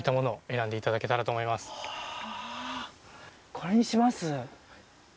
これにします。